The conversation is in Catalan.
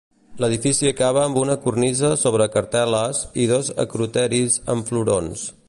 L'edifici acaba amb una cornisa sobre cartel·les i dos acroteris amb florons.